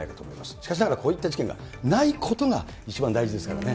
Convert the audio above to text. しかしながら、こういった事件がないことが一番大事ですからね。